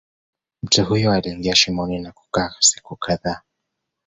Mtu huyo aliingia shimoni na kukaa siku kadhaa